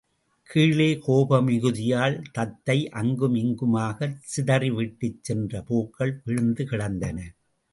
கீழே கோப மிகுதியால் தத்தை அங்குமிங்குமாகச் சிதறிவிட்டுச் சென்ற பூக்கள் விழுந்து கிடந்தன.